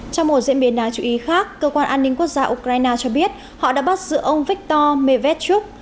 trong một diễn biến đáng chú ý khác cơ quan an ninh quốc gia ukraine cho biết họ đã bắt giữ ông viktor mevestchuk